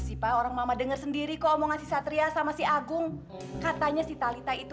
sih pak orang mama dengar sendiri kok omongan si satria sama si agung katanya si talita itu